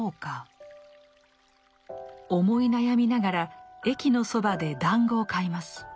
思い悩みながら駅のそばで団子を買います。